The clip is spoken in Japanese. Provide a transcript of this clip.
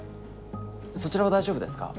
そちらは大丈夫ですか？